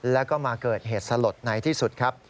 แล้วก็มาเกิดเหตุสลดในที่สุดครับ